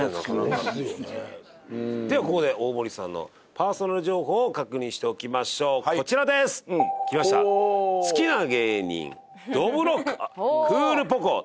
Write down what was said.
ではここで大森さんのパーソナル情報を確認しておきましょうこちらですきました好きな芸人どぶろっくクールポコ。